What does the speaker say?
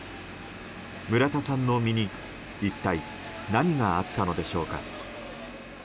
村田さんの身に一体何があったのでしょうか。